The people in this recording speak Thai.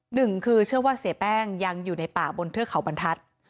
หนึ่งคือเชื่อว่าเสียแป้งยังอยู่ในป่าบนเทือกเขาบรรทัศน์